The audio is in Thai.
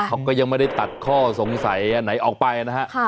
เขาก็ยังไม่ได้ตัดข้อสงสัยอันไหนออกไปนะฮะ